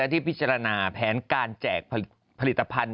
ที่พิจารณาแผนการแจกผลิตภัณฑ์